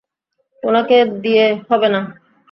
উনাকে দিয়ে হবে না।